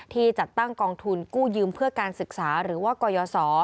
ที่จัดตั้งกองทุนกู้ยืมเพื่อการศึกษาหรือว่ากยศ